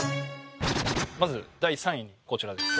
まず第３位こちらです